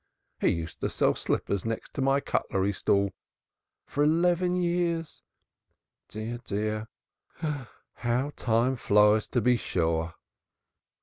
He used to sell slippers next to my cutlery stall for eleven years Dear, dear, how time flies to be sure."